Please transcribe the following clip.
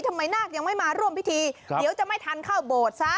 ทำไมนากยังไม่มาร่วมพิธีเดี๋ยวจะไม่ทันเข้าบวชซะ